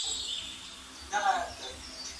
علمي نقد د پرمختګ لاره ده.